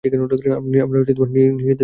আমরা নিজেদের দোষ দেখিতে পাই না।